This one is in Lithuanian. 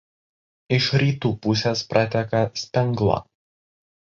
Iš rytų pusės prateka Spengla.